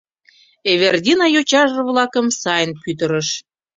Эвердина йочаже-влакым сайын пӱтырыш.